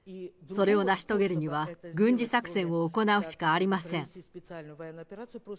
それを成し遂げるには、軍事作戦を行うしかありません。